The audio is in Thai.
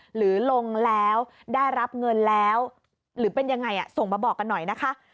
หรือลงแล้วได้รับเงินแล้วหรือเป็นยังไงส่งมาบอกกันหน่อยนะคะ